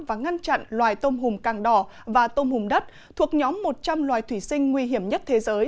và ngăn chặn loài tôm hùm càng đỏ và tôm hùm đất thuộc nhóm một trăm linh loài thủy sinh nguy hiểm nhất thế giới